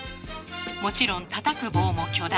もちろんたたく棒も巨大。